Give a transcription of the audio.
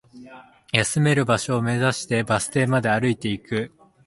休める場所を目指して、バス停まで歩いていく